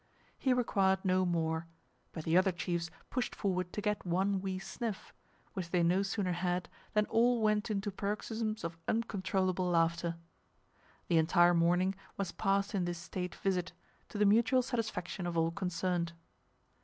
He required no more, but the other chiefs pushed forward to get one wee sniff, which they no sooner had, than all went into paroxysms of uncontrollable laughter. The entire morning was passed in this state visit, to the mutual satisfaction of all concerned.